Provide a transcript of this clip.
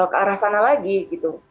ke arah sana lagi gitu